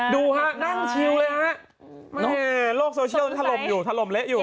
ดูฮะนั่งชิวเลยฮะนี่โลกโซเชียลถล่มอยู่ถล่มเละอยู่